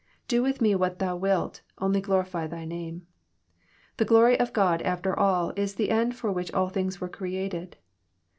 Do with Me what Thou wilt, only glorify Thy name. The glory of God after all is the end for which all things were created.